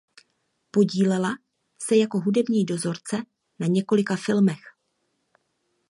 Podílela se jako hudební dozorce na několika filmech.